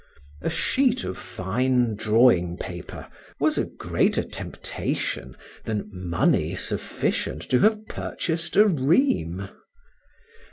A sheet of fine drawing paper was a greater temptation than money sufficient to have purchased a ream.